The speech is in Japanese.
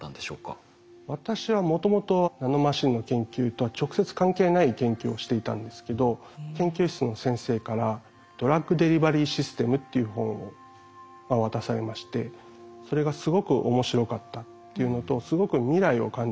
私はもともとナノマシンの研究とは直接関係ない研究をしていたんですけど研究室の先生から「ドラッグデリバリーシステム」っていう本を渡されましてそれがえっ。